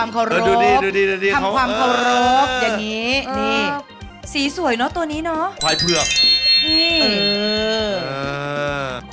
เค็กมาก